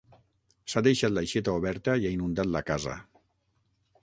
S'ha deixat l'aixeta oberta i ha inundat la casa.